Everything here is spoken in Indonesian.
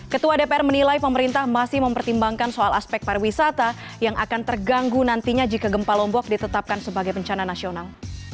ketua dpr menilai pemerintah masih mempertimbangkan soal aspek pariwisata yang akan terganggu nantinya jika gempa lombok ditetapkan sebagai bencana nasional